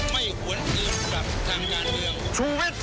ไม่ควรเกี่ยวกับทางยานเดียว